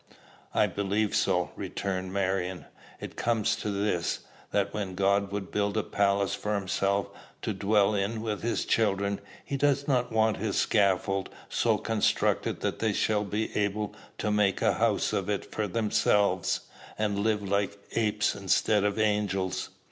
"I believe so," returned Marion. "It comes to this, that when God would build a palace for himself to dwell in with his children, he does not want his scaffold so constructed that they shall be able to make a house of it for themselves, and live like apes instead of angels."